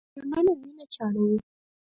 نفرونونه وینه چاڼوي.